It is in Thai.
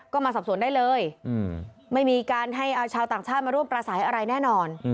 ก็มาสอบสวนได้เลยไม่มีการให้ชาวต่างชาติมาร่วมประสัยอะไรแน่นอน